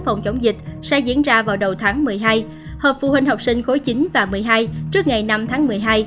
phòng chống dịch sẽ diễn ra vào đầu tháng một mươi hai hợp phụ huynh học sinh khối chín và một mươi hai trước ngày năm tháng một mươi hai